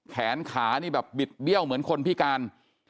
แขนขานี่แบบบิดเบี้ยวเหมือนคนพิการ